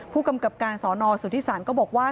ผู้กำกับการสอนอสุทธิศาลก็บอกว่า